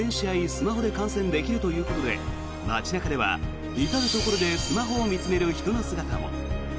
スマホで観戦できるということで街中では、至るところでスマホを見つめる人の姿も。